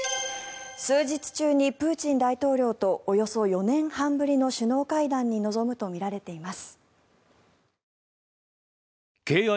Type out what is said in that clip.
数日中にプーチン大統領とおよそ４年半ぶりの首脳会談に臨むとみられています。